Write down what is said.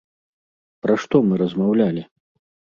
Пра што мы размаўлялі?